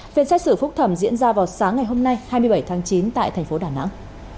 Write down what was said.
phiên xét xử phúc thẩm diễn ra vào sáng ngày hôm nay hai mươi bảy tháng chín tại thành phố đà nẵng